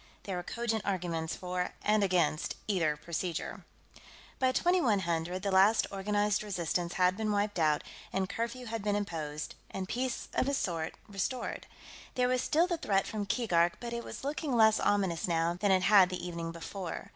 There were cogent arguments for and against either procedure. By 2100, the last organized resistance had been wiped out, and curfew had been imposed, and peace of a sort restored. There was still the threat from Keegark, but it was looking less ominous now than it had the evening before.